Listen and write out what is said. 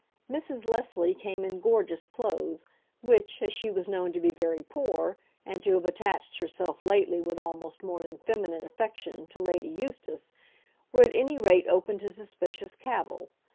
Mrs. Leslie came in gorgeous clothes, which, as she was known to be very poor, and to have attached herself lately with almost more than feminine affection to Lady Eustace, were at any rate open to suspicious cavil.